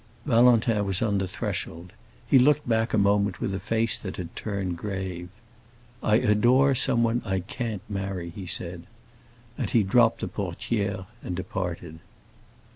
Valentin was on the threshold; he looked back a moment with a face that had turned grave. "I adore someone I can't marry!" he said. And he dropped the portière and departed.